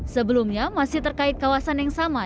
sebelumnya masih terkait kawasan yang sama